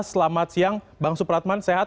selamat siang bang supratman sehat